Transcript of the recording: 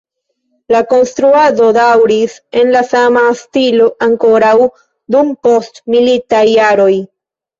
La konstruado daŭris en la sama stilo ankoraŭ dum postmilitaj jaroj.